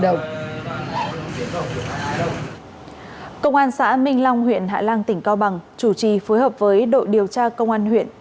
công an xã minh long huyện hạ lan tỉnh cao bằng chủ trì phối hợp với đội điều tra công an huyện